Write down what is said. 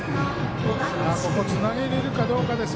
ここ、つなげられるかどうかです。